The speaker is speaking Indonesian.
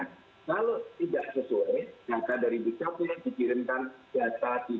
kalau tidak sesuai data dari bicapil dikirimkan data tidak dikendalikan